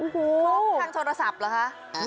ครบทางโทรศัพท์เหรอคะ